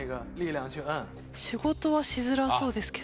仕事はしづらそうですけど。